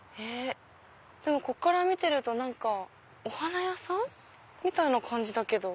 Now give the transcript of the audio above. でもこっから見てると何かお花屋さんみたいな感じだけど。